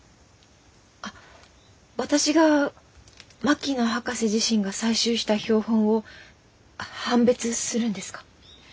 あ私が槙野博士自身が採集した標本を判別するんですか？